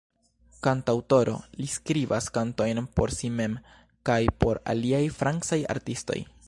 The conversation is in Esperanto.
Kantaŭtoro, li skribas kantojn por si mem kaj por aliaj francaj artistoj.